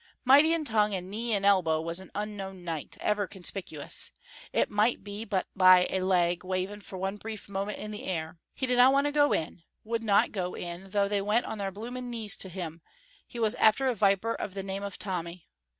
Mighty in tongue and knee and elbow was an unknown knight, ever conspicuous; it might be but by a leg waving for one brief moment in the air. He did not want to go in, would not go in though they went on their blooming knees to him; he was after a viper of the name of Tommy.